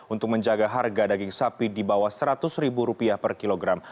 untuk menjaga harga daging sapi di bawah seratus ribu rupiah per kilogram